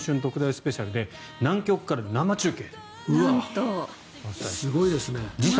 スペシャルで南極から生中継。